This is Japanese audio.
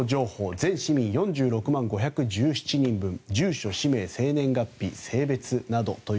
全市民４６万５１７人分住所、氏名、生年月日性別など。